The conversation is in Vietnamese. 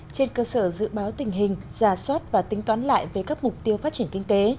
trên cơ sở dự báo tình hình giả soát và tính toán lại về các mục tiêu phát triển kinh tế